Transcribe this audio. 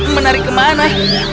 menarik ke mana